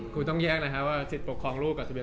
กูต้องแยกนะครับว่าตัดสิทธิไม่ได้ความพิสัยแบบนี้